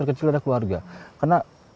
kecil ada keluarga karena